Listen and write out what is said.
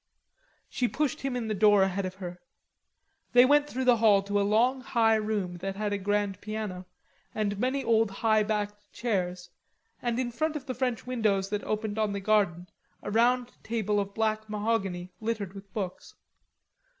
She pushed him in the door ahead of her. They went through the hall to a long high room that had a grand piano and many old high backed chairs, and in front of the French windows that opened on the garden, a round table of black mahogany littered with books.